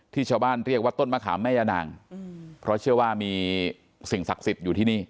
ชาวบ้านเรียกว่าต้นมะขามแม่ยานางเพราะเชื่อว่ามีสิ่งศักดิ์สิทธิ์อยู่ที่นี่